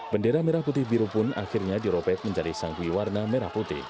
bendera merah putih biru pun akhirnya diropet menjadi sanggui warna merah putih